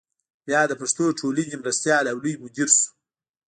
بیا د پښتو ټولنې مرستیال او لوی مدیر شو.